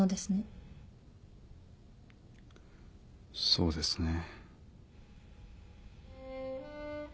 そうですね。